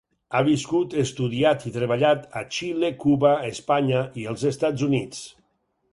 Ha viscut, estudiat i treballat a Xile, Cuba, Espanya i els Estats Units.